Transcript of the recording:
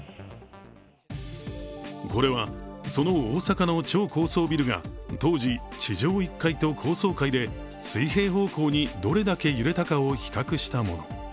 これは、その大阪の超高層ビルが当時地上１階と高層階で水平方向にどれだけ揺れたかを比較したもの。